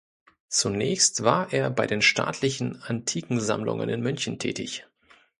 Zunächst war er bei den Staatlichen Antikensammlungen in München tätig.